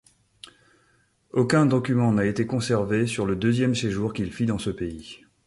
Aucun document n'a été conservé sur le deuxième séjour qu'il fit dans ce pays.